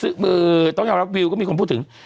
แต่มุดคุณต้องยอมรับวิวก็มีคนพูดถึง